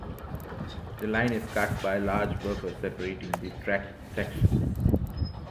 The line is cut by a large buffer separating the track sections.